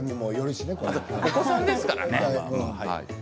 お子さんですしね。